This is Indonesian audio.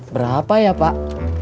berapa ya pak